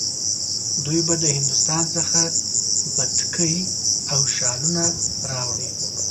دی به د هندوستان څخه بتکۍ او شالونه راوړي.